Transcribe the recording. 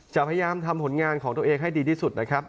พยายามทำผลงานของตัวเองให้ดีที่สุดนะครับ